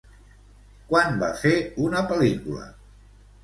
Quan va fer una pel·lícula?